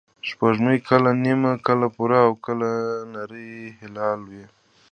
سپوږمۍ کله نیمه، کله پوره، او کله نری هلال وي